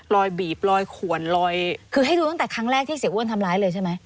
บีบรอยขวนลอยคือให้ดูตั้งแต่ครั้งแรกที่เสียอ้วนทำร้ายเลยใช่ไหม